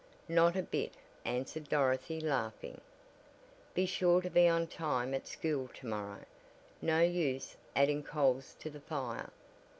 "Not a bit," answered Dorothy, laughing. "Be sure to be on time at school to morrow. No use adding coals to the fire."